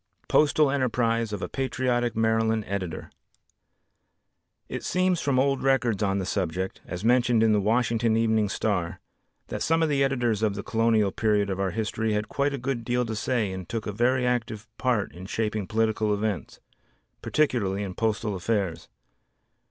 Postal Enterprise of a Patriotic Maryland Editor It seems from old records on the subject as mentioned in the Washington Evening Star, that some of the editors of the colonial period of our history had quite a good deal to say and took a very active part in shaping political events, particularly in postal affairs.